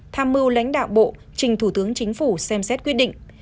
tham mưu lãnh đạo bộ trình thủ tướng chính phủ xem xét quyết định